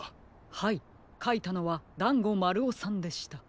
はいかいたのはだんごまるおさんでした。